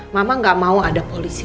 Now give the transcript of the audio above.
mama gak mau ada polisi